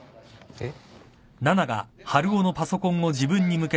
えっ？